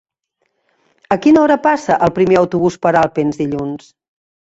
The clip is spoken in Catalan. A quina hora passa el primer autobús per Alpens dilluns?